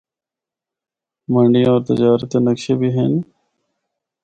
منڈیاں ہور تجارت دے نقشے بھی ہن۔